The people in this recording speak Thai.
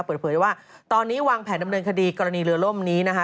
เปิดเผยได้ว่าตอนนี้วางแผนดำเนินคดีกรณีเรือล่มนี้นะคะ